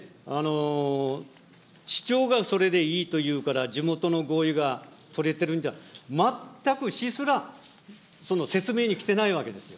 市長がそれでいいと言うから、地元の合意が取れてるんじゃない、全く市すら、その説明に来ないわけですよ。